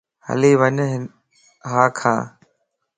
ھلي وڄ ھاکان